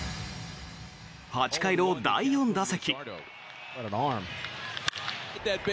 ８回の第４打席。